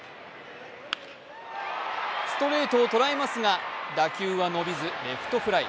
ストレートを捉えますが打球は伸びずレフトフライ。